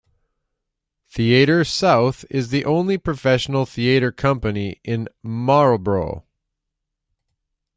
Theatre South is the only professional theatre company in Malrborough.